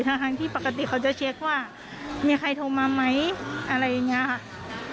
ทั้งที่ปกติเขาจะเช็คว่ามีใครโทรมาไหมอะไรอย่างนี้ค่ะ